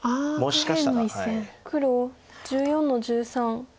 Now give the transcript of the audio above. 黒１４の十三切り。